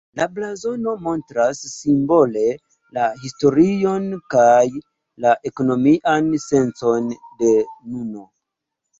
La blazono montras simbole la historion kaj la ekonomian sencon de nuno.